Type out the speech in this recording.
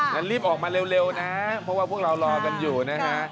แล้วรีบออกมาเร็วนะเพราะว่าพวกเรารอกันอยู่นะฮะ